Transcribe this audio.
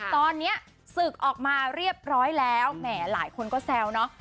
ตอนนี้ศึกออกมาเรียบร้อยแล้วแหมหลายคนก็แซวเนอะ